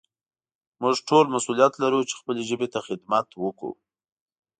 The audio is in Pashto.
موږ ټول مسؤليت لرو چې خپلې ژبې ته خدمت وکړو.